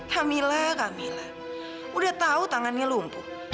kamila kamila udah tau tangannya lumpuh